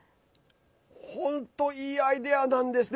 本当いいアイデアなんですね。